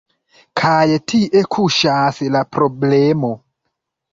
Kaj tie kuŝas la problemo.